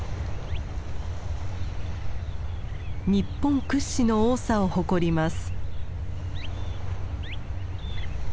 日本屈指の多さを誇ります。